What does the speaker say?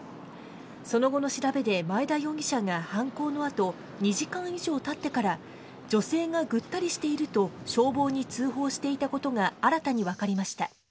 その後の調べで、前田容疑者が犯行のあと、２時間以上たってから、女性がぐったりしていると消防に通報していたことが、新たに分かりました。